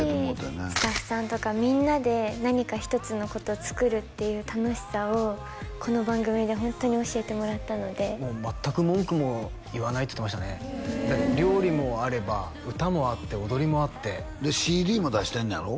スタッフさんとかみんなで何か一つのこと作るっていう楽しさをこの番組でホントに教えてもらったのでもう全く文句も言わないって言ってましたねだって料理もあれば歌もあって踊りもあってＣＤも出してんねやろ？